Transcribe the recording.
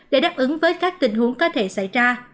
để đáp ứng với các tình huống có thể xảy ra